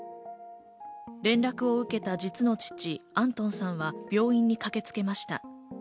連絡を受けた実の父・アントンさんは病院に駆けつけました。